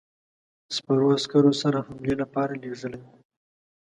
سپرو عسکرو سره حملې لپاره لېږلی وو.